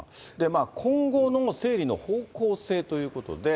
今後の整理の方向性ということで。